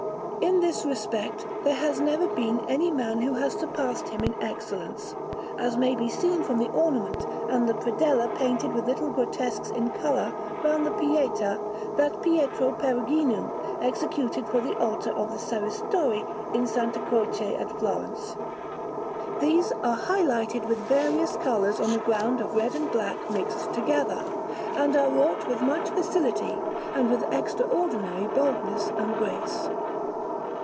In this respect there has never been any man who has surpassed him in excellence, as may be seen from the ornament and the predella painted with little grotesques in colour round the Pietà that Pietro Perugino executed for the altar of the Serristori in S. Croce at Florence. These are heightened with various colours on a ground of red and black mixed together, and are wrought with much facility and with extraordinary boldness and grace.